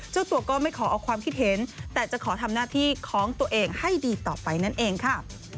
เจ้าตัวก็ไม่ขอเอาความคิดเห็นแต่จะขอทำหน้าที่ของตัวเองให้ดีต่อไปนั่นเองค่ะ